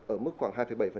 ở mức khoảng hai bảy